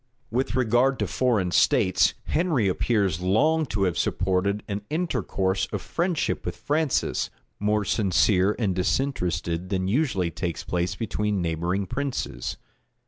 With regard to foreign states, Henry appears long to have supported an intercourse of friendship with Francis, more sincere and disinterested than usually takes place between neighboring princes.